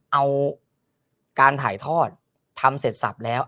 เอาการถ่ายทอดทำเสร็จสับแล้ว